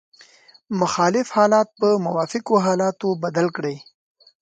مخالف حالات په موافقو حالاتو بدل کړئ.